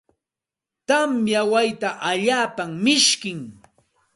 Tamya wayta alaapa mishkim.